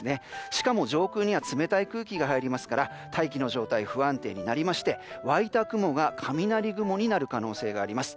しかも上空に冷たい空気が入り大気の状態が不安定となって湧いた雲が雷雲になる可能性があります。